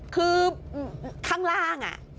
คือข้างล่าง